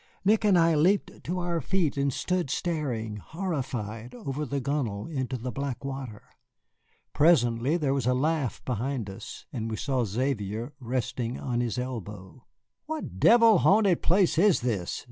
Nick and I leaped to our feet and stood staring, horrified, over the gunwale into the black water. Presently there was a laugh behind us, and we saw Xavier resting on his elbow. "What devil haunted place is this?"